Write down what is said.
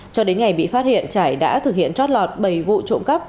cho đến ngày bị phát hiện trải đã thực hiện trót lọt bảy vụ trộm cắp